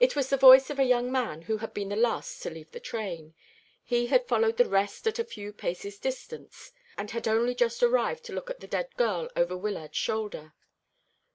It was the voice of a young man who had been the last to leave the train. He had followed the rest at a few paces' distance, and had only just arrived to look at the dead girl over Wyllard's shoulder.